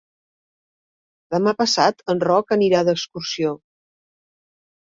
Demà passat en Roc anirà d'excursió.